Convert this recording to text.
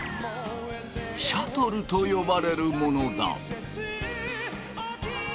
シャトルと呼ばれるものだ。